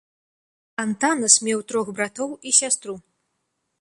Антанас меў трох братоў і сястру.